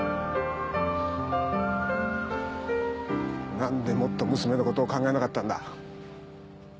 なんでもっと娘のことを考えなかったんだ？